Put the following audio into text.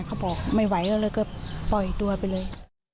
เขาบอกไม่ไหวแล้วแล้วก็ปล่อยตัวไปเลย